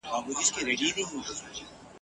بریالي وه له دې فتحي یې زړه ښاد وو !.